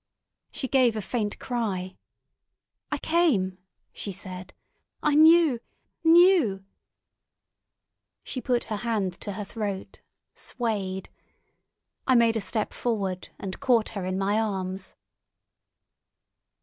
She gave a faint cry. "I came," she said. "I knew—knew——" She put her hand to her throat—swayed. I made a step forward, and caught her in my arms.